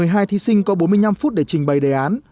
hai thí sinh có bốn mươi năm phút để trình bày đề án